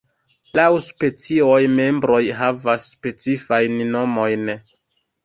Laŭ specioj, membroj havas specifajn nomojn.